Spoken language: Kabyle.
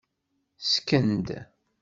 Ssken-d.